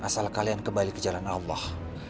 asal kalian kembali ke jalan allah